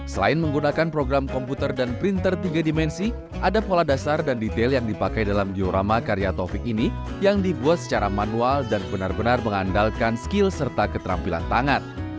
selain menggunakan program komputer dan printer tiga dimensi ada pola dasar dan detail yang dipakai dalam diorama karya taufik ini yang dibuat secara manual dan benar benar mengandalkan skill serta keterampilan tangan